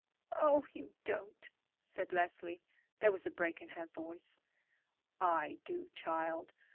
"Oh, you don't," said Leslie. There was a break in her voice. "I do, child.